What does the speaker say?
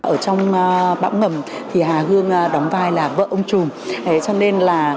ở trong bão ngầm thì hà hương đóng vai là vợ ông trùm cho nên là